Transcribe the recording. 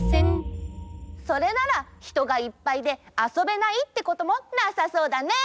それならひとがいっぱいであそべないってこともなさそうだね！